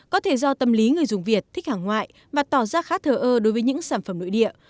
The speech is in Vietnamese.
có thể do tâm lý người dùng việt thích hàng ngoại và tỏ ra khá thờ ơ đối với những sản phẩm nội địa